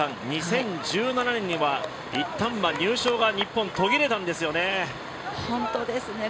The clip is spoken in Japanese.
２０１７年には、一旦は入賞が日本、途切れたんですよね。